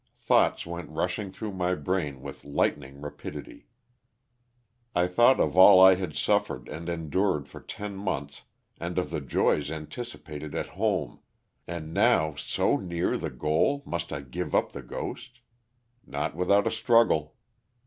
Thoughts went rushing through my brain with light ning rapidity. I thought of all I had suffered and en dured for ten months and of the joys anticipated at home, and now so near the goal must I give up the ghost? Not without a struggle.